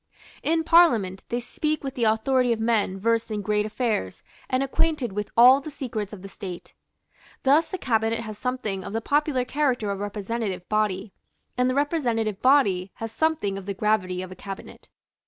In Parliament they speak with the authority of men versed in great affairs and acquainted with all the secrets of the State. Thus the Cabinet has something of the popular character of a representative body; and the representative body has something of the gravity of a cabinet.